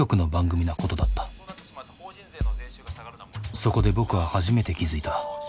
そこで僕は初めて気付いた。